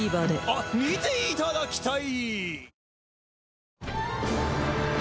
あっ見ていただきたい！